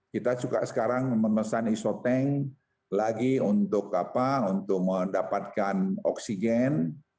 kita suka sekarang memesan isotank lagi untuk mendapatkan oksigen